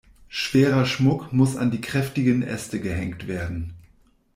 Schwerer Schmuck muss an die kräftigen Äste gehängt werden.